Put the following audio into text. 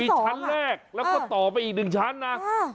มีชั้นแรกแล้วก็ต่อไปอีกหนึ่งชั้นนะ